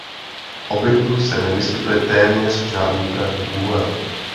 V objektu se nevyskytuje téměř žádný pravý úhel.